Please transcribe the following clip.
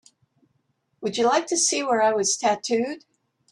Would you like to see where I was tattooed?